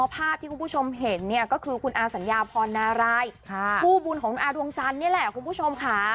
ภาพที่คุณผู้ชมเห็นเนี่ยก็คือคุณอาสัญญาพรนารายผู้บุญของคุณอาดวงจันทร์นี่แหละคุณผู้ชมค่ะ